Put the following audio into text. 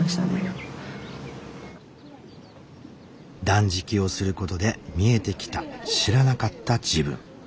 断食をすることで見えてきた知らなかった自分。